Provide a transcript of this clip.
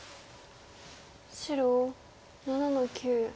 白７の九。